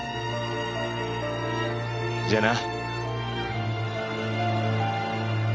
じゃあな。